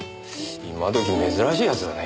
今時珍しい奴だね。